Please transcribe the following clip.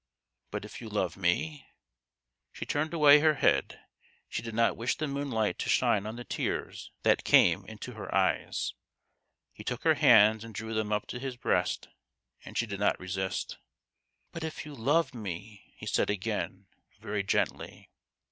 "But if you love me?" She turned away her head. She did not wish the moonlight to shine on the tears that came into her eyes. He took her hands and drew them up to his breast, and she did not resist. " But if you love me ?" he said again, very gently.